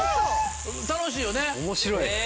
楽しいよね。